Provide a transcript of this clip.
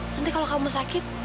nanti kalau kamu sakit